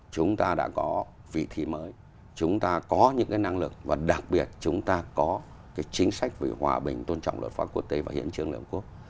chúng ta đã có vị thế mới chúng ta có những cái năng lực và đặc biệt chúng ta có cái chính sách về hòa bình tôn trọng luật pháp quốc tế và hiện trường liên hợp quốc